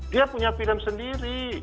dia punya film sendiri